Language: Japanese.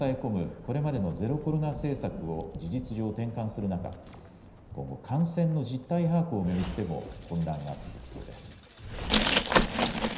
これまでのゼロコロナ政策を事実上転換する中、今後感染の実態把握を巡っても混乱が続きそうです。